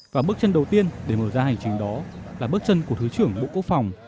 và bước chân đầu tiên để mở ra hành trình đó là bước chân của thứ trưởng bộ quốc phòng